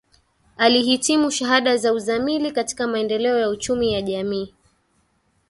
Alihitimu shahada ya uzamili katika maendeleo ya uchumi ya jamii